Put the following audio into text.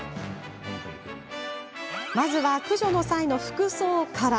まずは駆除の際の服装から。